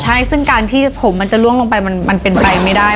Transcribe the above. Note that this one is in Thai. ใช่ซึ่งการที่ผมมันจะล่วงลงไปมันเป็นไปไม่ได้